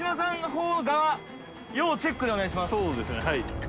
そうですねはい。